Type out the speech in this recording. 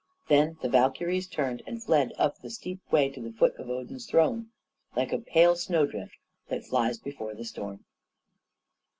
Then the Valkyries turned and fled up the steep way to the foot of Odin's throne, like a pale snowdrift that flies before the storm.